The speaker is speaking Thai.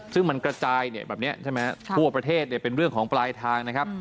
ซึ่งมันกระจายแบบนี้ใช่ไหมทั่วประเทศเป็นเรื่องของปลายทางนะครับ